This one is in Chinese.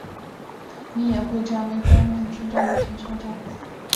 米野会战为关原之战的前哨战。